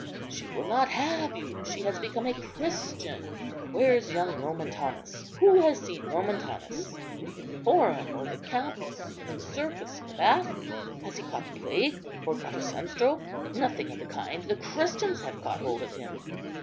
she will not have you; she has become a Christian. Where's young Nomentanus? Who has seen Nomentanus? in the forum, or the campus, in the circus, in the bath? Has he caught the plague or got a sunstroke? Nothing of the kind; the Christians have caught hold of him.